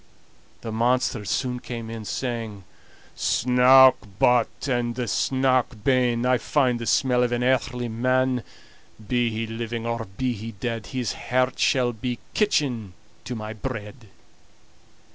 The monster soon came in, saying: "Snouk but and snouk ben, I find the smell of an earthly man; Be he living, or be he dead, His heart shall be kitchen to my bread."